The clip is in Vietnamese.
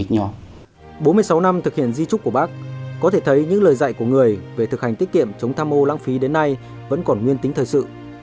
bốn mươi sáu năm thực hiện di trúc của bác có thể thấy những lời dạy của người về thực hành tiết kiệm chống tham ô lãng phí đến nay vẫn còn nguyên tính thời sự